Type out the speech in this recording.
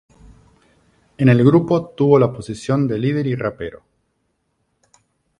En el grupo tuvo la posición de líder y rapero.